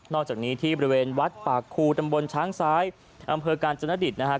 อกจากนี้ที่บริเวณวัดปากคูตำบลช้างซ้ายอำเภอกาญจนดิตนะครับ